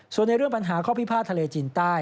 ส่วนในเรื่องปัญหาข้อพิพาททะเลจีนใต้